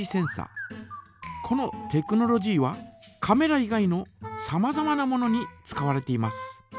このテクノロジーはカメラ以外のさまざまなものに使われています。